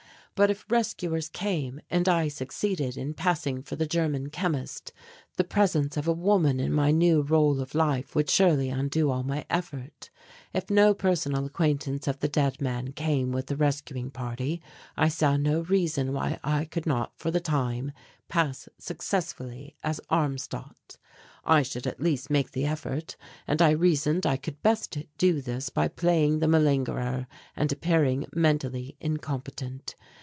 But if rescuers came and I succeeded in passing for the German chemist the presence of a woman in my new rôle of life would surely undo all my effort. If no personal acquaintance of the dead man came with the rescuing party I saw no reason why I could not for the time pass successfully as Armstadt. I should at least make the effort and I reasoned I could best do this by playing the malingerer and appearing mentally incompetent.